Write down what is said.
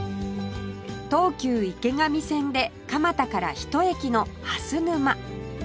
東急池上線で蒲田から１駅の蓮沼